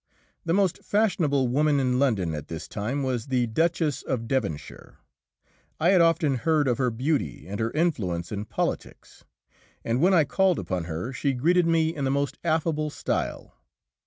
The most fashionable woman in London at this time was the Duchess of Devonshire. I had often heard of her beauty and her influence in politics, and when I called upon her she greeted me in the most affable style.